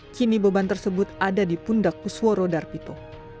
kini beban tersebut ada di pundak pusworo darpito